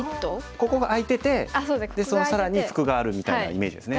ここが開いてて更に服があるみたいなイメージですね。